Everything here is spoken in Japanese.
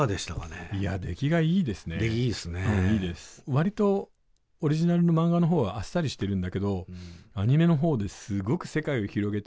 わりとオリジナルのマンガのほうはあっさりしてるんだけどアニメのほうですごく世界を広げて。